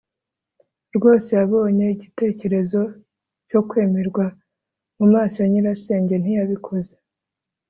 rwose yabonye igitekerezo cyo kwemerwa mumaso ya nyirasenge. ntiyabikoze